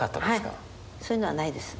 そういうのはないです。